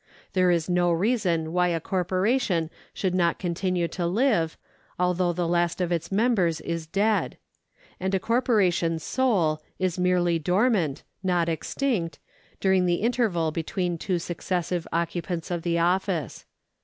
There is no reason why a cor poration should not continue to live, although the last of its members is dead ; and a corporation sole is merely dormant, not extinct, during the interval between two successive occu pants of the office.